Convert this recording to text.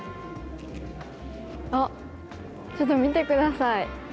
あっちょっと見て下さい。